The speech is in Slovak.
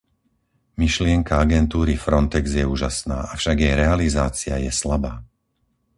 Myšlienka agentúry Frontex je úžasná, avšak jej realizácia je slabá.